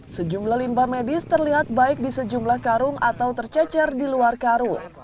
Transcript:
sejumlah limbah medis terlihat baik di sejumlah karung atau tercecer di luar karung